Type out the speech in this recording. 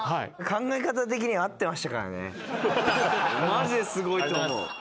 マジですごいと思う。